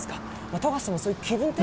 富樫さんもそういう気分転換。